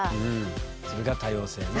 それが多様性ね。